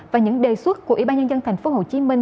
và những đề xuất của ủy ban nhân dân thành phố hồ chí minh